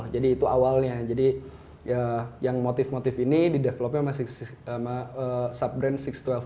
jadi itu awalnya jadi yang motif motif ini di develop nya masih sama sub brand enam ratus dua belas